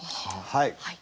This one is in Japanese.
はい。